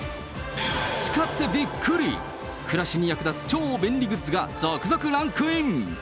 使ってびっくり、暮らしに役立つ超便利グッズが続々ランクイン。